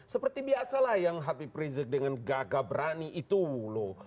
seperti biasalah yang habib rizik dengan gagah berani itu loh